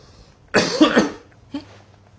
えっ？